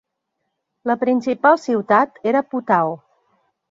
La principal ciutat era Putao.